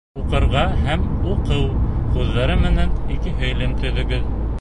«Уҡырға» һәм «уҡыу» һүҙҙәре менән ике һөйләм төҙөгөҙ